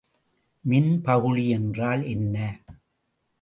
மின்பகுளி என்றால் என்ன?